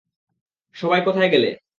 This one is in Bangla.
সবাই কোথায় গেলে?